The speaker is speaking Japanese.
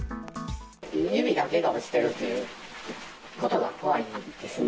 指だけが落ちてるっていうことが怖いですね。